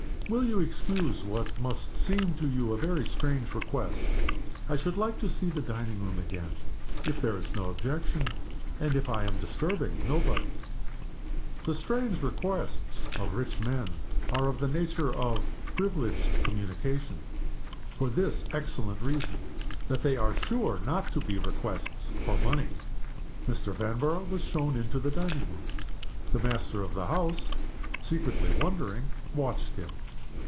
Will you excuse what must seem to you a very strange request? I should like to see the dining room again, if there is no objection, and if I am disturbing nobody." The "strange requests" of rich men are of the nature of "privileged communications," for this excellent reason, that they are sure not to be requests for money. Mr. Vanborough was shown into the dining room. The master of the house, secretly wondering, watched him.